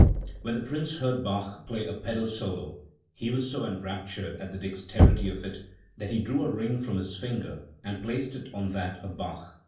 When the Prince heard Bach play a pedal solo, he was so enraptured at the dexterity of it that he drew a ring from his finger and placed it on that of Bach.